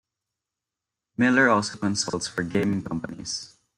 Miller also consults for gaming companies.